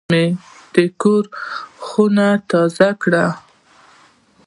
نن مې د کور خونه تازه کړه.